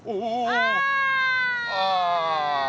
ああ。